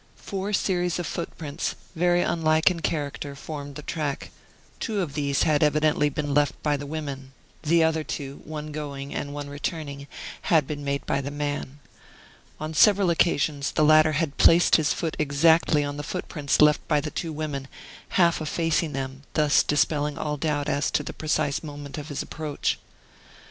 Four series of footprints, very unlike in character, formed the track; two of these had evidently been left by the women; the other two, one going and one returning, had been made by the man. On several occasions the latter had placed his foot exactly on the footprints left by the two women, half effacing them, thus dispelling all doubt as to the precise moment of his approach.